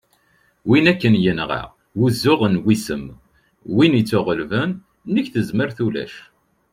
win akken yenɣa "wuzzu n wissen", win ittuɣellben : nnig tezmert d ulac